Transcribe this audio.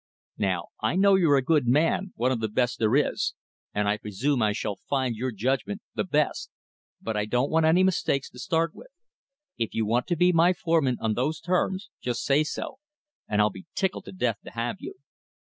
Now I know you're a good man, one of the best there is, and I presume I shall find your judgment the best, but I don't want any mistakes to start with. If you want to be my foreman on those terms, just say so, and I'll be tickled to death to have you."